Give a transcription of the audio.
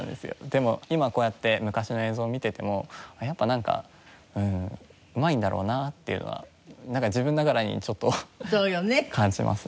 でも今こうやって昔の映像見ててもやっぱなんかうまいんだろうなっていうのは自分ながらにちょっと感じますね。